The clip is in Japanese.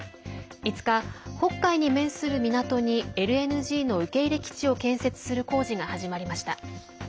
５日、北海に面する港にＬＮＧの受け入れ基地を建設する工事が始まりました。